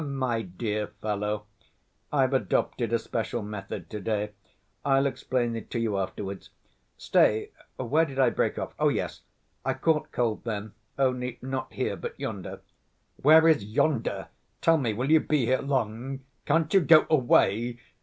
"My dear fellow, I've adopted a special method to‐day, I'll explain it to you afterwards. Stay, where did I break off? Oh, yes! I caught cold then, only not here but yonder." "Where is yonder? Tell me, will you be here long? Can't you go away?"